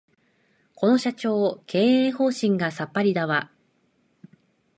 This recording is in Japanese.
この社長、経営方針がさっぱりだわ